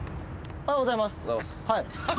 おはようございます。